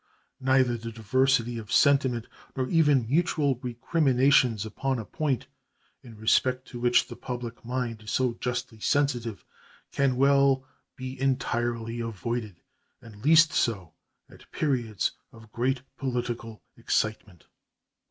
Neither diversity of sentiment nor even mutual recriminations upon a point in respect to which the public mind is so justly sensitive can well be entirely avoided, and least so at periods of great political excitement.